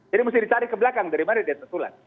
jadi mesti dicari ke belakang dari mana dia tertular